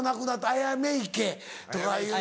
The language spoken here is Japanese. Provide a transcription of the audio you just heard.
あやめ池とかいう。